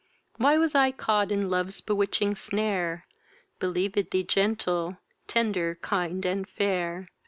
Why was I caught in love's bewitching snare, Believ'd thee gentle, tender, kind, and fair!